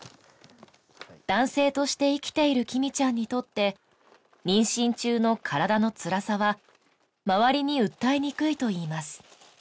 男性として生きているきみちゃんにとって妊娠中の体のつらさは周りに訴えにくいといいます